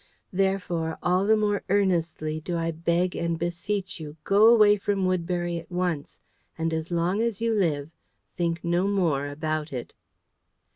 Therefore, all the more earnestly do I beg and beseech you, go away from Woodbury at once, and as long as you live think no more about it."